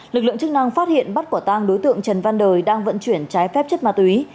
lực lượng chức năng phát hiện bắt quả tang đối tượng trần văn đời đang vận chuyển trái phép chất ma túy